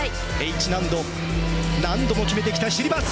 Ｈ難度何度も決めてきたシリバス。